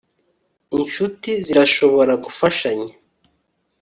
inshuti zirashobora gufashanya